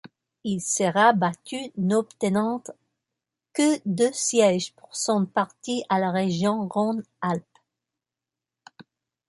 Il sera battu n'obtenant que deux sièges pour son parti à la Région Rhône-Alpes.